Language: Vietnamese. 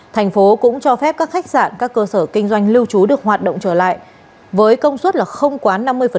thành phố cũng cho phép các khách sạn các cơ sở kinh doanh lưu trú được hoạt động trở lại với công suất là không quá năm mươi